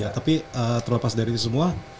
tapi terlepas dari itu semua